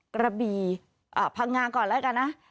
กระบี่พังงาก่อนแล้วกันนะ